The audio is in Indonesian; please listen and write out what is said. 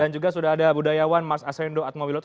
dan juga sudah ada budayawan mas asrendo atmobiloto